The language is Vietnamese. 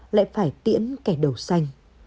lại phải tiễn kẻ đầu xanh